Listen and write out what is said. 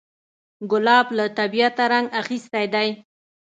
ګلاب له طبیعته رنګ اخیستی دی.